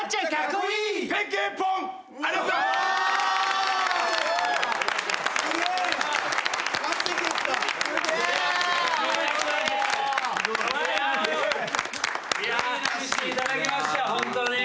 いいの見せていただきましたホントに。